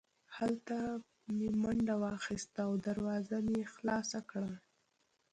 هلته مې منډه واخیسته او دروازه مې خلاصه کړه